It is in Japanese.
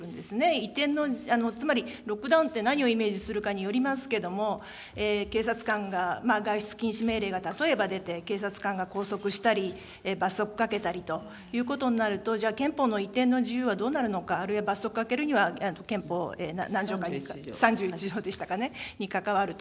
一定の、つまり、ロックダウンって何をイメージするかによりますけれども、警察官が、外出禁止命令が例えば出て、警察官が拘束したり、罰則かけたりということになると、じゃあ、憲法の一定の自由はどうなるのか、あるいは罰則受けるには憲法で、何条か、３１条でしたかね、関わると。